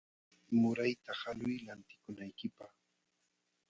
Murayta haluy lantikunaykipaq.